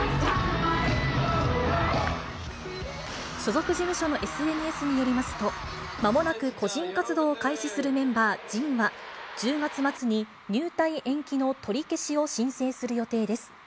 所属事務所のＳＮＳによりますと、まもなく個人活動を開始するメンバー、ＪＩＮは１０月末に入隊延期の取り消しを申請する予定です。